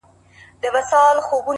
يوازي زه يمه چي ستا په حافظه کي نه يم!!